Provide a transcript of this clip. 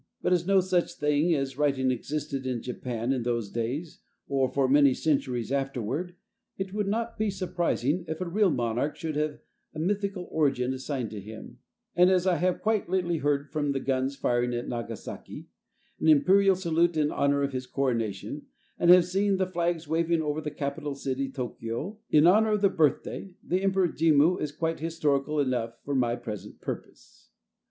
But as no such thing as writing existed in Japan in those days, or for many centuries afterward, it would not be surprising if a real monarch should have a mythical origin assigned to him; and as I have quite lately heard the guns firing at Nagasaki an imperial salute in honor of his coronation, and have seen the flags waving over the capital city, Tokio, in honor of the birthday, the Emperor Jimmu is quite historical enough for my present purpose.